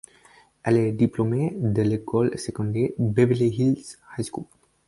Elle est diplômée de l'école secondaire, Beverly Hills High School.